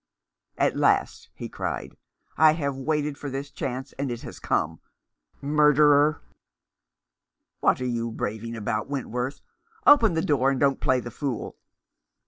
"At last!" he cried. "I have waited for this chance, and it has come. Murderer !"" What are you raving about, Wentworth ? Open the door, and don't play the fool